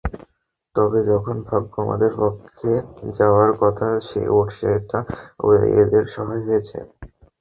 তবে যখন ভাগ্য আমাদের পক্ষে যাওয়ার কথা, সেটা ওদের সহায় হয়েছে।